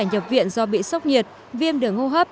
nhập viện do bị sốc nhiệt viêm đường hô hấp